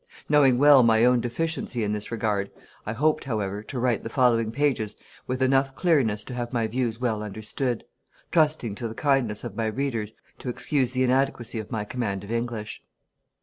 Knowing well my own deficiency in this regard, I hoped, however, to write the following pages with enough clearness to have my views well understood, trusting to the kindness of my readers to excuse the inadequacy of my command of English.